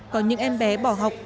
có những em bé bỏ học